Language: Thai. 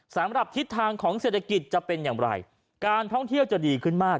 สำหรับทิศทางของเศรษฐกิจจะเป็นอย่างไรการท่องเที่ยวจะดีขึ้นมาก